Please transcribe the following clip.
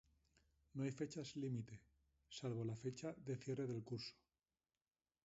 No hay fechas límite, salvo la fecha de cierre del curso.